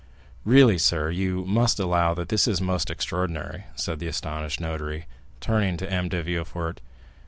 "Really, sir, you must allow that this is most extraordinary," said the astonished notary, turning to M. de Villefort.